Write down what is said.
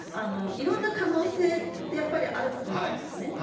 いろいろな可能性ってやっぱり、あると思うんですね。